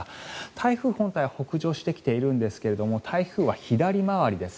台風本体は北上してきているんですが台風は左回りです。